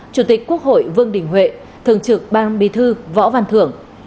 chủ tịch quốc hội vương đình huệ thường trực ban bí thư võ văn thưởng